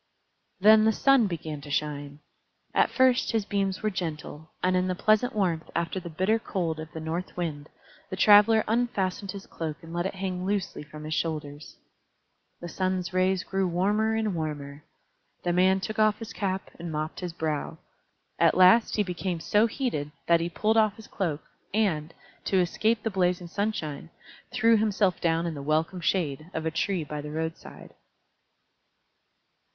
Then the Sun began to shine. At first his beams were gentle, and in the pleasant warmth after the bitter cold of the North Wind, the Traveler unfastened his cloak and let it hang loosely from his shoulders. The Sun's rays grew warmer and warmer. The man took off his cap and mopped his brow. At last he became so heated that he pulled off his cloak, and, to escape the blazing sunshine, threw himself down in the welcome shade of a tree by the roadside.